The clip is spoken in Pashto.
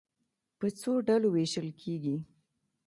په څو ډلو وېشل کېږي.